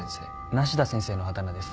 梨多先生のあだ名です。